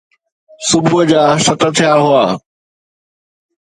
صبح جا ست ٿيا هئا.